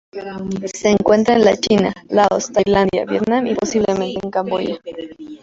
Se encuentra en la China, Laos, Tailandia, Vietnam y, posiblemente en Camboya.